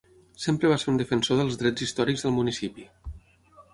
Sempre va ser un defensor dels drets històrics del municipi.